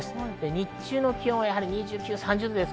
日中の気温は２９度、３０度です。